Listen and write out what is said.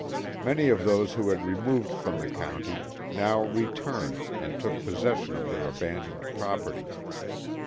Many of those who had removed from the county, now returned and took possession of their abandoned property.